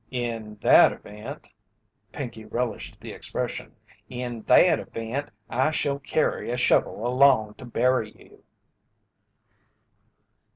"In that event," Pinkey relished the expression, "in that event I shall carry a shovel along to bury you."